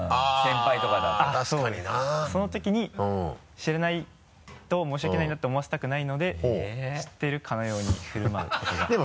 その時に知らないと申し訳ないなと思わせたくないので知っているかのように振る舞うことが。